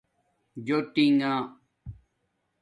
جݸٹیݣہ